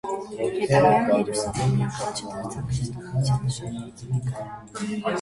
Հետագայում երուսաղեմյան խաչը դարձավ քրիստոնեության նշաններից մեկը։